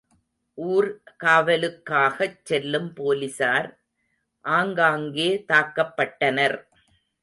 ஊர்காவலுக்காகச் செல்லும் போலிசார் ஆங்காங்கேதாக்கப்பட்டனர்.